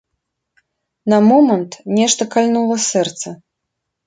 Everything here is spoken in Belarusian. На момант нешта кальнула сэрца.